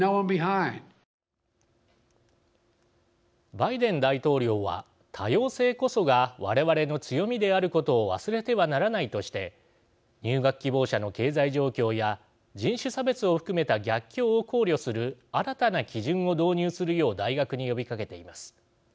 バイデン大統領は多様性こそが我々の強みであることを忘れてはならないとして入学希望者の経済状況や人種差別を含めた逆境を考慮する新たな基準を導入するよう大学に呼びかけています。